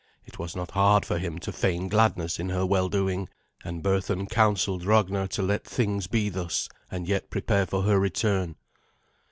It was not hard for him to feign gladness in her well doing; and Berthun counselled Ragnar to let things be thus, and yet prepare for her return.